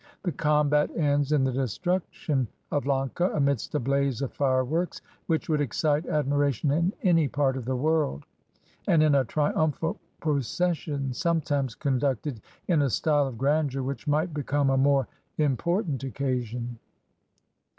The combat ends in the destruction of Lanka, amidst a blaze of fireworks which would excite admiration in any part of the world, and in a triumphal procession some times conducted in a style of grandeur which might become a more important occasion.